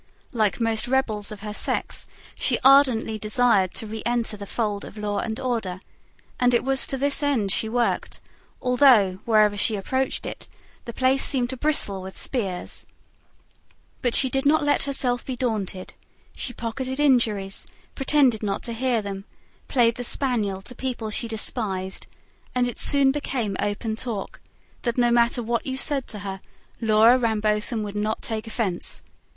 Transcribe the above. Like most rebels of her sex, she ardently desired to re enter the fold of law and order; and it was to this end she worked, although, wherever she approached it, the place seemed to bristle with spears. But she did not let herself be daunted; she pocketed injuries, pretended not to hear them, played the spaniel to people she despised; and it soon became open talk, that no matter what you said to her, Laura Rambotham would not take offence.